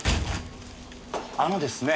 あのですね。